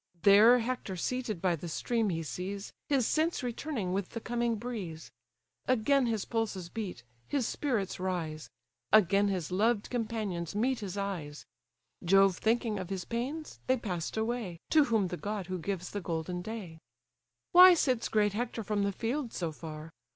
There Hector seated by the stream he sees, His sense returning with the coming breeze; Again his pulses beat, his spirits rise; Again his loved companions meet his eyes; Jove thinking of his pains, they pass'd away, To whom the god who gives the golden day: "Why sits great Hector from the field so far?